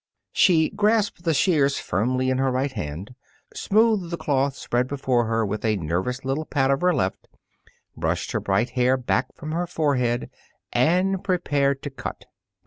She grasped the shears firmly in her right hand, smoothed the cloth spread before her with a nervous little pat of her left, pushed her bright hair back from her forehead, and prepared to cut.